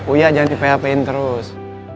uya jangan di php in terus